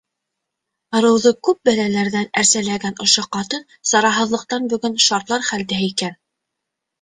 Ырыуҙы күп бәләләрҙән әрсәләгән ошо ҡатын сараһыҙлыҡтан бөгөн шартлар хәлдә икән.